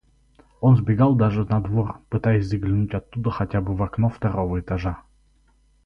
Он сбегал даже на двор, пытаясь заглянуть оттуда хотя бы в окно второго этажа.